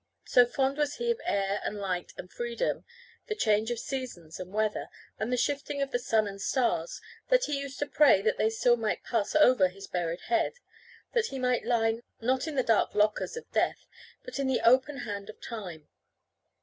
So fond was he of air and light and freedom, the change of seasons and weather, and the shifting of the sun and stars, that he used to pray that they still might pass over his buried head; that he might lie, not in the dark lockers of death, but in the open hand of time.